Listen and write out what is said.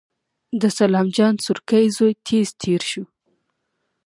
د سلام جان سورکی زوی تېز تېر شو.